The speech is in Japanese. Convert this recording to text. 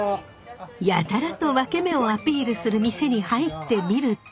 やたらとワケメをアピールする店に入ってみると。